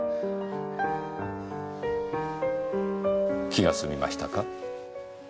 気が済みましたか？